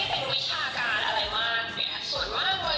ฝึกฝากกับพ่ออยู่ว่าจะนอกไปเลยดีไหม